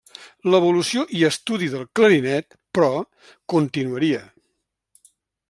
L'evolució i estudi del clarinet, però, continuaria.